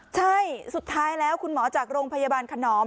ใช่สุดท้ายแล้วคุณหมอจากโรงพยาบาลขนอม